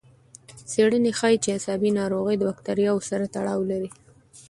څېړنه ښيي چې عصبي ناروغۍ د بکتریاوو سره تړاو لري.